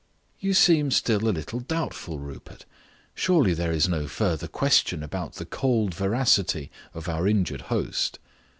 "You seem still a little doubtful, Rupert. Surely there is no further question about the cold veracity of our injured host."